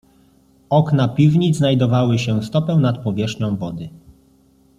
"Okna piwnic znajdowały się stopę nad powierzchnią wody."